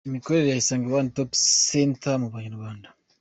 Imikorere ya Isange One Stop Center mu Banyarwanda.